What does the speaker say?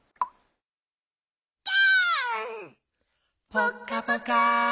ぽっかぽか。